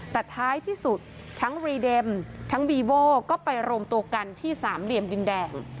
แต่ท้ายที่สุดทั้งรีเด็มทั้งบีโว้ก็ไปรวมตัวกันที่สามเหลี่ยมดินแดง